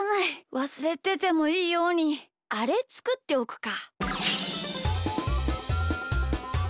わすれててもいいようにあれつくっておくか。